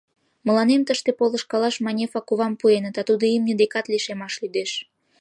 — Мыланем тыште полышкалаш Манефа кувам пуэныт, а тудо имне декат лишемаш лӱдеш.